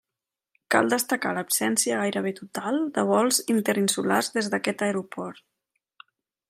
Cal destacar l'absència gairebé total de vols interinsulars des d'aquest aeroport.